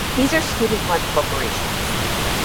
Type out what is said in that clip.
These are student-run corporations.